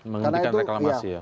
menghentikan reklamasi ya